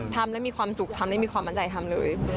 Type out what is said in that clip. ทำแล้วมีความสุขทำและมีความมั่นใจทำเลย